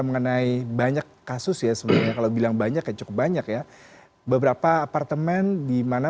mengenai banyak kasus ya sebenarnya kalau bilang banyak ya cukup banyak ya beberapa apartemen dimana